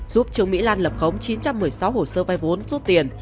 giúp trương mỹ lan lập khống chín trăm một mươi sáu hồ sơ vai vốn rút tiền